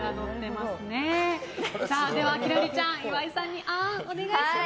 では、輝星ちゃん岩井さんにあーんをお願いします。